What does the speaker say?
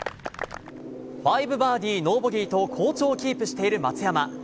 ５バーディー、ノーボギーと好調をキープしている松山。